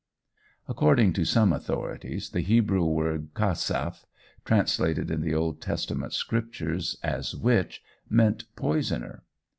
According to some authorities, the Hebrew word Chasaph, translated in the Old Testament Scriptures as witch, meant poisoner.